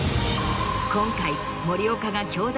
今回。